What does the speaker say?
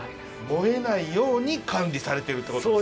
燃えないように管理されてるってことですか。